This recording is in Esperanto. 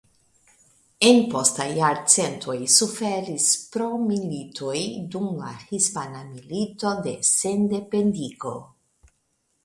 En postaj jarcentoj suferis pro militoj dum la Hispana Milito de Sendependigo.